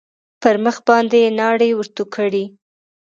پر مخ باندې يې ناړې ورتو کړې.